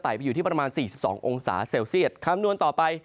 ในภาคฝั่งอันดามันนะครับ